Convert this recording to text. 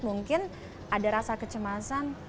mungkin ada rasa kecemasan